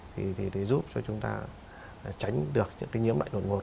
thì giúp cho chúng ta tránh được những cái nhiễm bệnh đột ngột